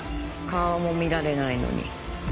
顔も見られないのに。